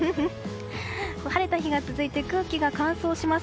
晴れた日が続いて空気が乾燥します。